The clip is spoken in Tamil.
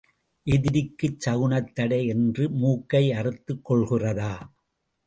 எதிரிக்குச் சகுனத் தடை என்று மூக்கை அறுத்துக் கொள்கிறதா?